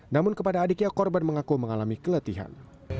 namun kepada adiknya korban mengaku mengalami keletihan